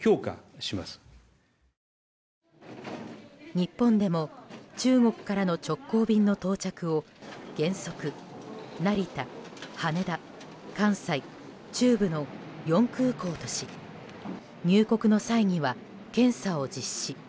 日本でも中国からの直行便の到着を原則、成田、羽田、関西、中部の４空港とし入国の際には検査を実施。